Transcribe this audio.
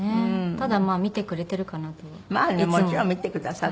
ただまあ見てくれてるかなとはいつも思ってます。